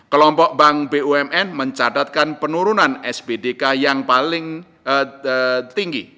kelompok bank bumn mencatatkan penurunan sbdk yang paling tinggi